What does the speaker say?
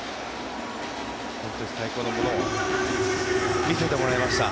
本当に最高のものを見せてもらいました。